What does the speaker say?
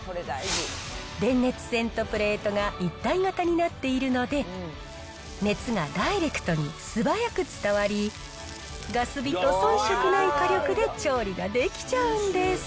電熱線とプレートが一体型になっているので、熱がダイレクトに素早く伝わり、ガス火と遜色ない火力で調理ができちゃうんです。